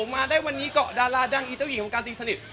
มาได้วันนี้เกาะดาราดังอีเจ้าหญิงวงการตีสนิท